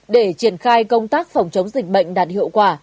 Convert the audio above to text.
để triển khai công tác phòng chống dịch bệnh đạt hiệu quả